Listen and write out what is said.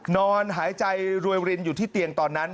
นอนหายใจรวยรินอยู่ที่เตียงตอนนั้น